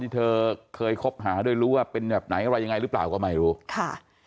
เธอเคยคบหาด้วยรู้ว่าเป็นแบบไหนอะไรยังไงหรือเปล่าก็ไม่รู้ค่ะ